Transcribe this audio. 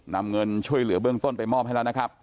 นำเงินช่วยเหลือเบื้องต้นไปมอบให้แล้วนะครับ